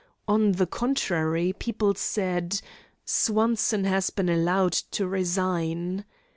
On the contrary, people said: "Swanson has been allowed to resign."